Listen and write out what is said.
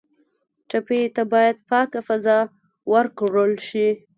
ټپي ته باید پاکه فضا ورکړل شي.